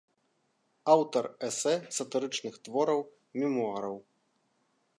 Аўтар эсэ, сатырычных твораў, мемуараў.